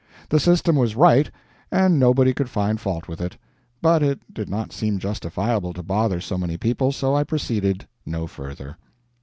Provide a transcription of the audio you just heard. The system was right, and nobody could find fault with it; but it did not seem justifiable to bother so many people, so I proceeded no further.